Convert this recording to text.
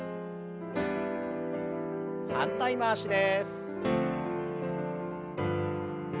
反対回しです。